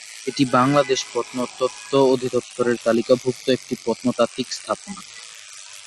এটি বাংলাদেশ প্রত্নতত্ত্ব অধিদপ্তরের তালিকাভুক্ত একটি প্রত্নতাত্ত্বিক স্থাপনা।